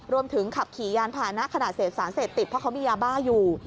รวมถึงขับขี่ยานผ่านะขณะเสพสารเสพติดเพราะเขามียาบ้าอยู่